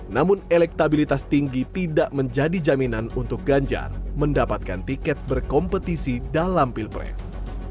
namun elektabilitas tinggi tidak menjadi jaminan untuk ganjar mendapatkan tiket berkompetisi dalam pilpres